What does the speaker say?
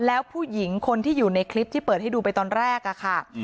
แล้วผู้หญิงคนที่อยู่ในคลิปที่เปิดให้ดูไปตอนแรกอะค่ะ